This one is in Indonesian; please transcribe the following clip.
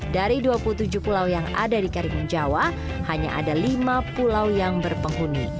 dari dua puluh tujuh pulau yang ada di karimun jawa hanya ada lima pulau yang berpenghuni